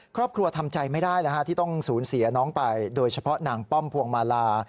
ครอบครัวทำใจไม่ได้ที่ต้องสูญเสียน้องไปโดยเฉพาะนางป้อมพวงมาลา